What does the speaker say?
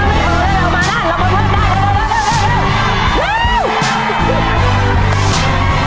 หล่ำตามปิดมาต่างจกฐาน